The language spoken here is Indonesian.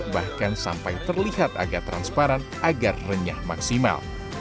bahkan sampai terlihat agak transparan agar renyah maksimal